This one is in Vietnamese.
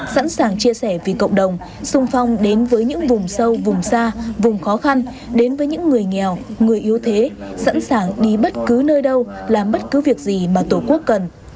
sẵn sàng chia sẻ vì cộng đồng xung phong đến với những vùng sâu vùng xa vùng khó khăn đến với những người nghèo người yếu thế sẵn sàng đi bất cứ nơi đâu làm bất cứ việc gì mà tổ quốc cần